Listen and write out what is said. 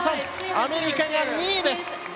アメリカが２位です。